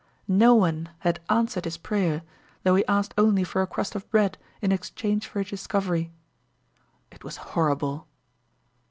No one had answered his prayer, though he asked only for a crust of bread in exchange for his discovery. It was horrible.